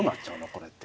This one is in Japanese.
これって。